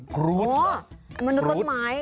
กรูดเหรอกรูดอ๋อมนุษย์ต้นไม้